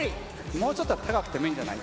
もうちょっと高くてもいいんじゃない？